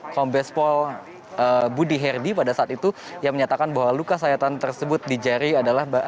kombes pol budi herdi pada saat itu yang menyatakan bahwa luka sayatan tersebut di jari adalah